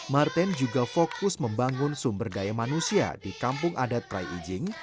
martin juga fokus membangun sumber daya manusia di kampung adat prai ijing